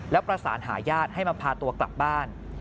แล้วประสานหาญาติให้มาพาตัวกลับบ้าน